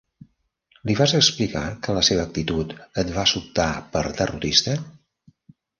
Li vas explicar que la seva actitud et va sobtar per derrotista?